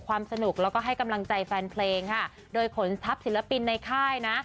สนุกแล้วก็ให้กำลังใจแฟนเพลงค่ะโดยขนทรัพย์ศิลปินในค่ายนะ